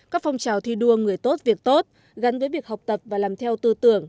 các phong trào thi đua người tốt việc tốt gắn với việc học tập và làm theo tư tưởng